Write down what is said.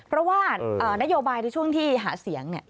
เพราะว่านโยบายในช่วงที่หาเสียง